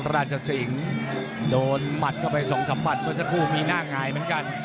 ราชสิงห์โดนหมัดเข้าไป๒๓มัตต์เพื่อจะคู่มีหน้างายเหมือนกัน